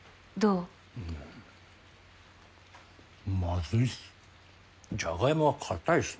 うんまずいっす。